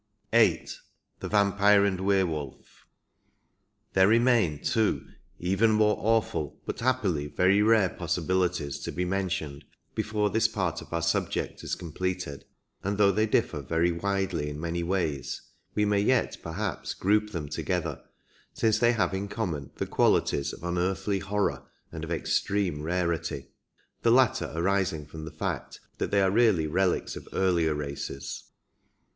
8. T/ie Vampire and Werewolf, There remain two even more awful but happily very rare possibilities to be men tioned before this part of our subject is completed, and though they differ very widely in many ways we may yet perhaps group them together, since they have in common the qualities of unearthly horror and of extreme rarity — the latter arising from the fact that they are really relics of earlier races.